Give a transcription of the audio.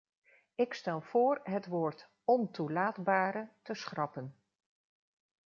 Ik stel voor het woord "ontoelaatbare” te schrappen.